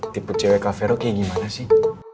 tipu cewek kak vero kayak gimana sih